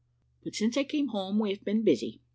"But since I came home, we have been busy.